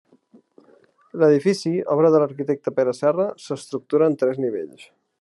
L'edifici, obra de l'arquitecte Pere Serra, s'estructura en tres nivells.